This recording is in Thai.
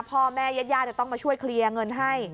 พอแม่ยัตยายจะต้องช่วยเคลียร์เงินให้